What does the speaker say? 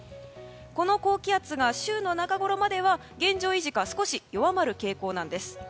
この高気圧が週の中ごろまでは現状維持か少し弱まる傾向なんです。